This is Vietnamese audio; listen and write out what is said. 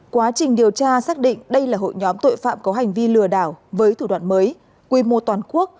quá trình điều tra xác định đây là hội nhóm tội phạm có hành vi lừa đảo với thủ đoạn mới quy mô toàn quốc